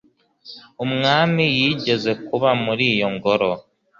Umwami yigeze kuba muri iyo ngoro